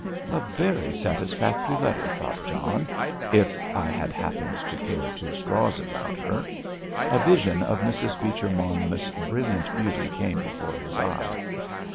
"A very satisfactory letter," thought John, "if I had happened to care two straws about her." A vision of Mrs. Beecher Monmouth's brilliant beauty came before his eyes.